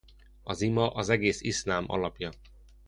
Az ima az egész iszlám alapja.